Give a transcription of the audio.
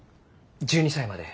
１２歳まで。